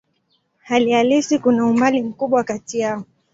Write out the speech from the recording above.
Hali halisi kuna umbali mkubwa kati yao.